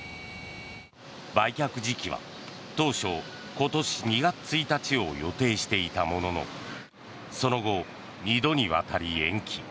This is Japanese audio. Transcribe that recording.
売却時期は当初、今年２月１日を予定していたもののその後、２度にわたり延期。